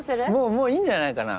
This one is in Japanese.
もういいんじゃないかな？